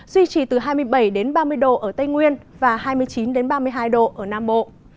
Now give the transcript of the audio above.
duy trì từ hai mươi bảy đến ba mươi độ ở tây nguyên và hai mươi chín ba mươi hai độ ở nam bộ